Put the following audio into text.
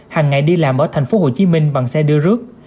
hàng ngày đi làm ở tp hcm bằng xe đưa rước